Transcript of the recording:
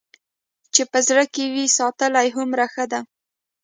چې په زړه کې وي ساتلې هومره ښه ده.